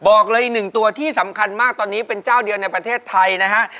บอกเลยอีกหนึ่งตัวที่สำคัญมากตอนนี้เป็นเจ้าเดียวในประเทศไทยนะฮะ